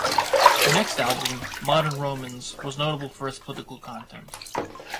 The next album, "Modern Romans", was notable for its political content.